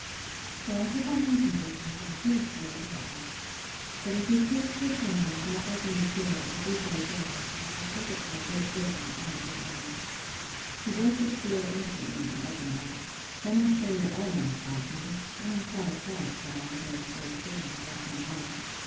So I took out my papers; and said, Here, sir, they are. But if you please to return them, without breaking the seal, it will be very generous: and I will take it for a great favour, and a good omen. He broke the seal instantly, and opened them: So much for your omen! replied he. I am sorry for it, said I, very seriously; and was walking away.